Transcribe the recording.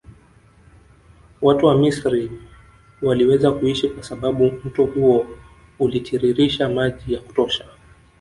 Watu wa Misri waliweza kuishi kwa sababu mto huo ulitiiririsha maji ya kutosha